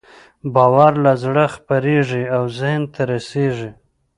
باور له زړه خپرېږي او ذهن ته رسېږي.